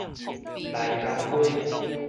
內江街